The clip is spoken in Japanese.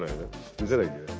見せないといけない。